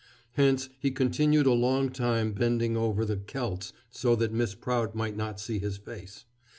Hence, he continued a long time bending over the "celts" so that Miss Prout might not see his face.